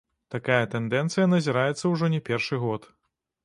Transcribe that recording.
Такая тэндэнцыя назіраецца ўжо не першы год.